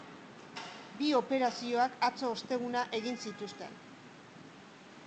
Bi operazioak atzo, osteguna, egin zituzten.